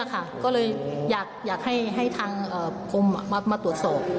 ก็เลยอยากให้ทางกรมมาตรวจสอบ